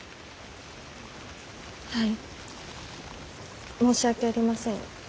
はい申し訳ありません